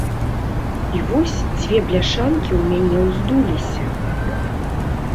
І вось дзве бляшанкі ў мяне ўздуліся!